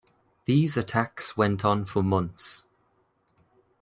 These attacks went on for months.